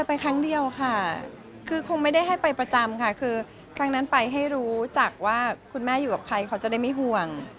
ไปครั้งเดียวค่ะคือคงไม่ได้ให้ไปประจำค่ะคือครั้งนั้นไปให้รู้จักว่าคุณแม่อยู่กับใครเขาจะได้ไม่ห่วง